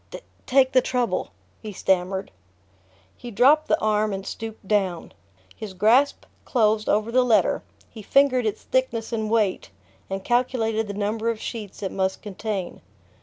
"take the trouble," he stammered. He dropped the arm and stooped down. His grasp closed over the letter, he fingered its thickness and weight and calculated the number of sheets it must contain.